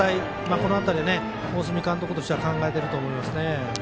この辺りは大角監督としては考えてると思いますね。